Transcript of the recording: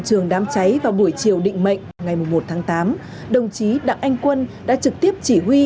cháy vào buổi chiều định mệnh ngày một mươi một tháng tám đồng chí đặng anh quân đã trực tiếp chỉ huy